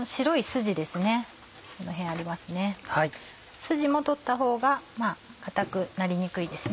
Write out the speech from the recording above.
スジも取ったほうが硬くなりにくいですね。